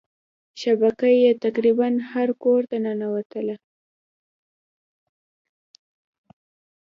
شبکه یې تقريبا هر کورته ننوتله.